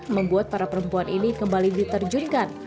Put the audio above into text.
membuat para perempuan ini kembali diterjunkan